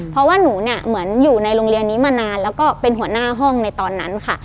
เพราะว่าหนูเนี่ยเหมือนอยู่ในโรงเรียนนี้มานานแล้วก็เป็นหัวหน้าห้องในตอนนั้นค่ะ